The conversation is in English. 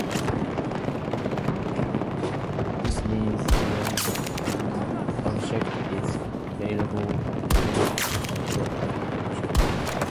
This means length of an object is variable depending on the observer.